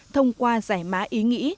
thông qua giải má ý nghĩ